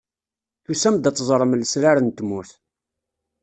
Tusam-d ad teẓrem lesrar n tmurt.